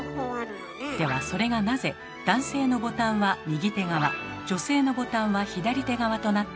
ではそれがなぜ男性のボタンは右手側女性のボタンは左手側となったのでしょうか？